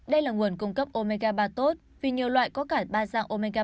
đây là nguồn cung cấp omega ba tốt vì nhiều loại có cả ba dạng omega ba